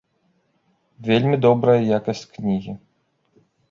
Вельмі добрая якасць кнігі.